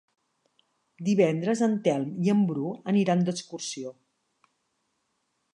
Divendres en Telm i en Bru aniran d'excursió.